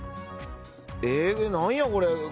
えっ何やこれ。